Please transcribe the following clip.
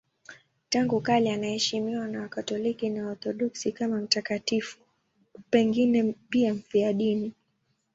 Tangu kale anaheshimiwa na Wakatoliki na Waorthodoksi kama mtakatifu, pengine pia mfiadini.